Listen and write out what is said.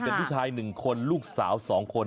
เป็นผู้ชาย๑คนลูกสาว๒คน